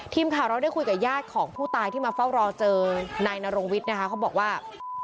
ทีมข่าวเราได้คุยกับญาติของผู้ตายที่มาเฝ้ารอเจอนายนรงวิทย์นะคะเขาบอกว่า